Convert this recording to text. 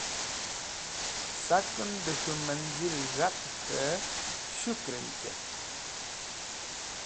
Saken de K̃hu Manzil G̃hate K̃he Shukren Kert